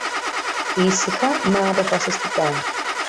Ήσυχα, μα αποφασιστικά